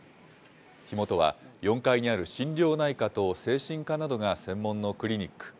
火元は４階にある心療内科と精神科などが専門のクリニック。